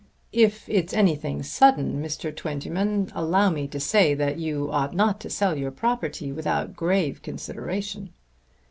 "If it's anything sudden, Mr. Twentyman, allow me to say that you ought not to sell your property without grave consideration."